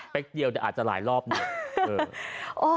เป๊ะเดียวแต่อาจจะหลายรอบเนี่ย